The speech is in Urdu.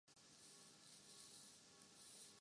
تصوف میں فنا فی الشیخ کو مطلوب کا درجہ حا صل ہے۔